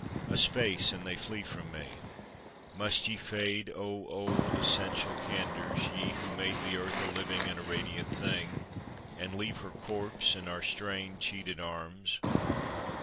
A space, and they fleet from me. Must ye fade O old, essential candours, ye who made The earth a living and a radiant thing And leave her corpse in our strained, cheated arms?